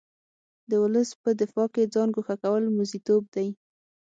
د ولس په دفاع کې ځان ګوښه کول موزیتوب دی.